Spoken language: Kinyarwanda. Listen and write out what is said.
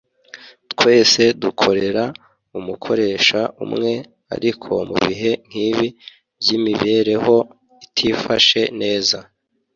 Twese dukorera umukoresha umwe ariko mu bihe nk’ibi by’imibereho itifashe neza